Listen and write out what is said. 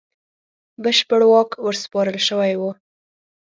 بشپړ واک ورسپارل شوی وو.